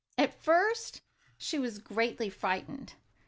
At first she was greatly frightened.